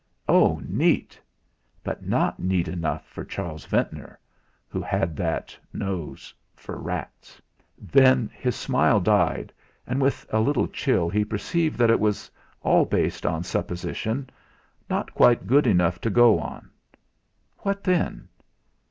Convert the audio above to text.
Oh! neat! But not neat enough for Charles Ventnor, who had that nose for rats. Then his smile died, and with a little chill he perceived that it was all based on supposition not quite good enough to go on! What then?